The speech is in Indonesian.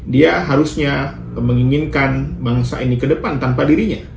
dia harusnya menginginkan bangsa ini ke depan tanpa dirinya